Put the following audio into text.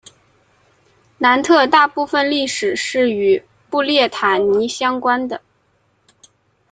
南特大部分历史是与布列塔尼相关的。